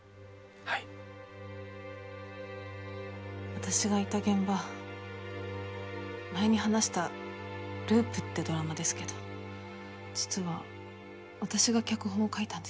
私がいた現場前に話した『ループ』ってドラマですけど実は私が脚本を書いたんです。